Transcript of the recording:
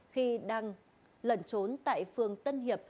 khi đang lẩn trốn tại phường tân hiệp